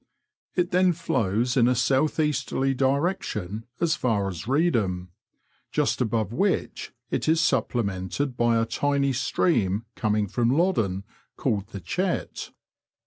It then flows in a south easterly direction as far as Keedham, just above which it is supplemented by a y Google 1 INTKODUCTORY. 3 tiny stream comkig from Loddon, called the Chet.